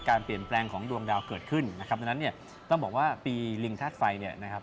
การเปลี่ยนแปลงของดวงดาวเกิดขึ้นนะครับดังนั้นเนี่ยต้องบอกว่าปีลิงธาตุไฟเนี่ยนะครับ